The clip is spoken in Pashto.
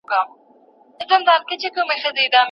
په سړو اوبو د ډنډ کي لمبېدلې